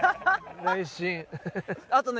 あとね。